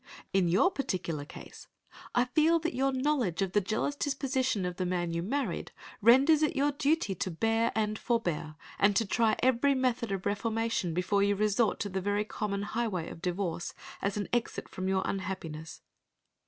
In your particular case, I feel that your knowledge of the jealous disposition of the man you married renders it your duty to bear and forbear, and to try every method of reformation before you resort to the very common highway of divorce as an exit from your unhappiness.